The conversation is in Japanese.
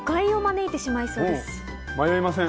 迷いません。